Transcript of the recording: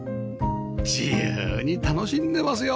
自由に楽しんでますよ！